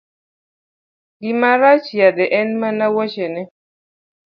Gima rach yadhe en mana wuochene.